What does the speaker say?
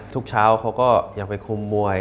ทุกเช้าเขาก็ยังไปคุมมวย